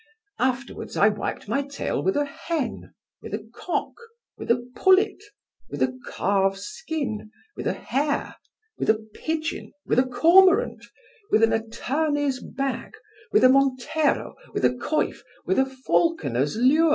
Afterwards I wiped my tail with a hen, with a cock, with a pullet, with a calf's skin, with a hare, with a pigeon, with a cormorant, with an attorney's bag, with a montero, with a coif, with a falconer's lure.